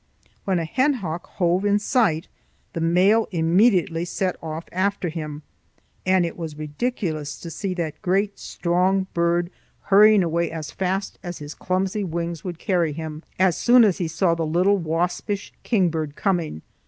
When a hen hawk hove in sight, the male immediately set off after him, and it was ridiculous to see that great, strong bird hurrying away as fast as his clumsy wings would carry him, as soon as he saw the little, waspish kingbird coming.